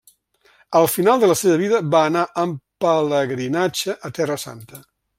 Al final de la seva vida va anar en pelegrinatge a Terra Santa.